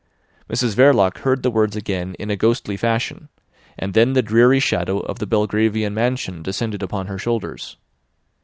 Mrs Verloc heard the words again in a ghostly fashion, and then the dreary shadow of the Belgravian mansion descended upon her shoulders.